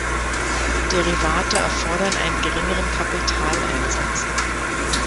Derivate erfordern einen geringeren Kapitaleinsatz.